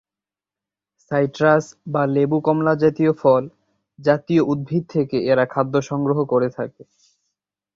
Citrus বা লেবু-কমলা জাতীয় ফল জাতীয় উদ্ভিদ থেকে এরা খাদ্য সংগ্রহ করে থাকে।